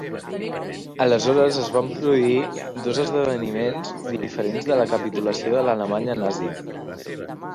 Aleshores es van produir dos esdeveniments diferents de la capitulació de l'Alemanya nazi.